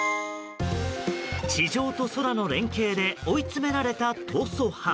地上と空の連携で追い詰められた逃走犯。